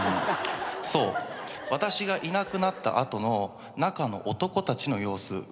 そう私がいなくなった後の中の男たちの様子